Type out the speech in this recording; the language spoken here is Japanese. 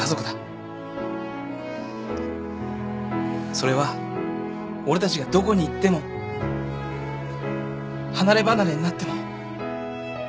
それは俺たちがどこに行っても離れ離れになっても変わらねえんだ。